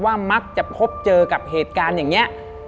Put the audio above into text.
มักจะพบเจอกับเหตุการณ์อย่างนี้